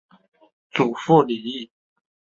祖父李毅。